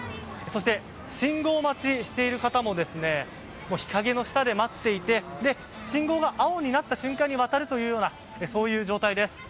そして、信号待ちしている方も日陰の下で待っていて信号が青になった瞬間に渡るというようなそういう状態です。